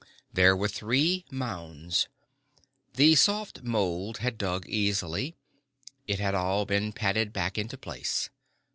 There were three mounds. The soft mould had dug easily. It had all been patted back into place.